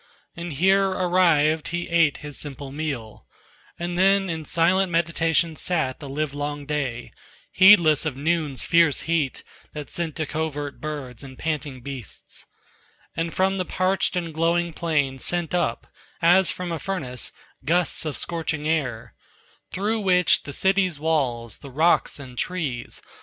And here arrived, he ate his simple meal, And then in silent meditation sat The livelong day, heedless of noon's fierce heat That sent to covert birds and panting beasts, And from the parched and glowing plain sent up, As from a furnace, gusts of scorching air, Through which the city's walls, the rocks and trees.